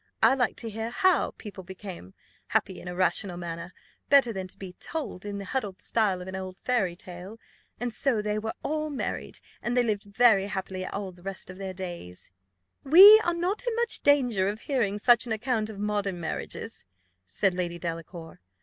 I like to hear how people become happy in a rational manner, better than to be told in the huddled style of an old fairy tale and so they were all married, and they lived very happily all the rest of their days." "We are not in much danger of hearing such an account of modern marriages," said Lady Delacour.